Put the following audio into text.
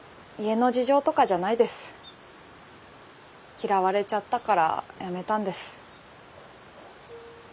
嫌われちゃったから辞めたんです。